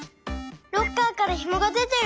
ロッカーからひもがでてる！